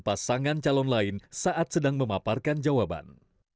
ketiga pertanyaan antar kandidat akan diberikan dengan pasangan calon lain saat sedang memaparkan jawaban